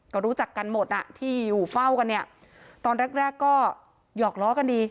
ก็รู้จักกันหมดอ่ะที่อยู่เฝ้ากันเนี่ยตอนแรกแรกก็หยอกล้อกันดี